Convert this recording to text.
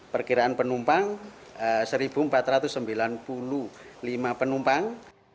perkiraan penumpang satu empat ratus sembilan puluh lima penumpang